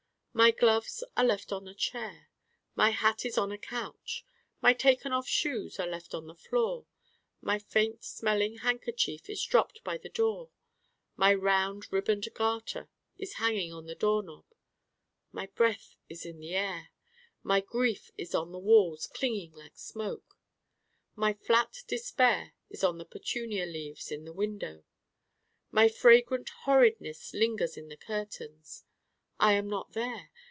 My Gloves are left on a chair: my Hat is left on a couch: my taken off Shoes are left on the floor: my faint smelling Handkerchief is dropped by the door: my round ribboned Garter is hanging on the door knob: my Breath is in the air: my Grief is on the walls clinging like smoke: my flat Despair is on the petunia leaves in the window: my fragrant Horridness lingers in the curtains. I am not there!